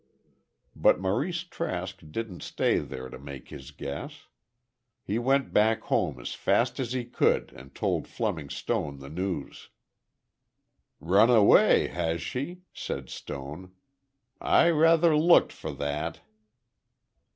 But Maurice Trask didn't stay there to make his guess. He went back home as fast as he could and told Fleming Stone the news. "Run away, has she?" said Stone. "I rather looked for that."